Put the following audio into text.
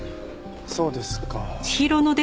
そうですか。